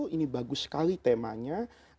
ini bagus sekali temanya